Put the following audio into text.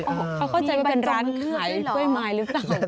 เขาเข้าใจว่าเป็นร้านขายกล้วยไม้หรือเปล่า